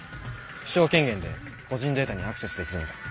首長権限で個人データにアクセスできるので。